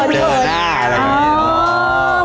เจอหน้าอะไรแบบนี้